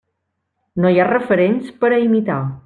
No hi ha referents per a imitar.